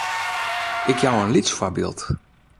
Ik jou in lyts foarbyld.